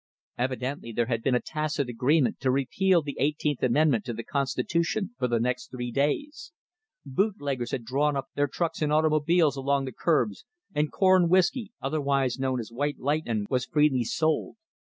Evidently there had been a tacit agreement to repeal the Eighteenth amendment to the Constitution for the next three days; bootleggers had drawn up their trucks and automobiles along the curbs, and corn whiskey, otherwise known as "white lightnin'," was freely sold.